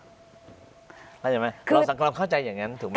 เราสังคมเข้าใจอย่างนั้นถูกไหม